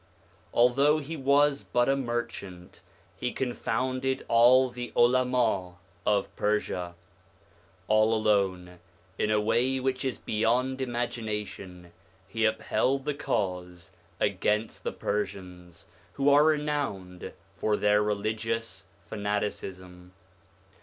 Although he was but a merchant, he confounded all the Ulama 2 of Persia. All alone, in a way which is beyond imagination, he upheld the Cause against the Persians, who are re nowned for their religious fanaticism.